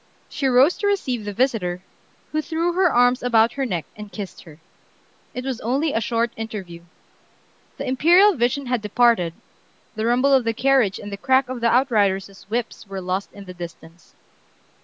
She rose to receive the visitor, who threw her arms about her neck and kissed her. It was only a short interview. The imperial vision had departed, the rumble of the carriage and the crack of the outriders' whips were lost in the distance.